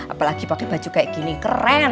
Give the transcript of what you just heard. apalagi pakai baju kayak gini keren